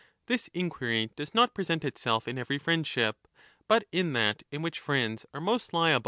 This inquiry does not present itself in every friendship, but in that in which friends are most liable to 1213^3 16= E.